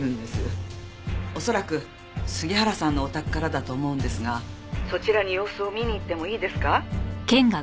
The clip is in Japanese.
恐らく杉原さんのお宅からだと思うんですがそちらに様子を見に行ってもいいですか？